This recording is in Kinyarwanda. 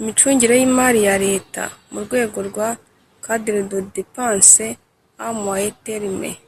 imicungire y'imari ya leta mu rwego rwa «cadre de depenses a moyen terme (cdmt)»,